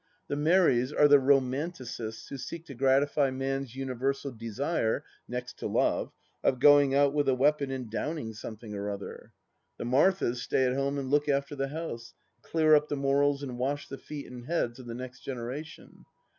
The Marys are the romanticists who seek to gratify man's imiversal desire, next to Love, of going out with a weapon and downing something or other. The Marthas stay at home and look after the house, clear up the morals and wash the feet and heads of the next generation.